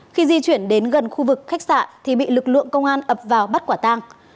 khi di chuyển đến gần khu vực khách sạn thì bị lực lượng công an ập vào bắt quả tang